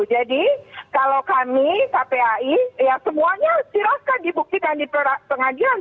jadi kalau kami kpi ya semuanya dirasakan di bukit dan di pengadilan